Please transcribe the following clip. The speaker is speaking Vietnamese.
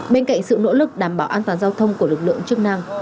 bên cạnh sự nỗ lực đảm bảo an toàn giao thông của lực lượng chức năng